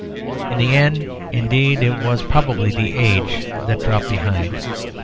In the end, indeed, it was probably the age that dropped behind.